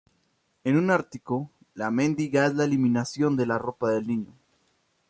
En un ático, la mendiga es la eliminación de la ropa del niño;.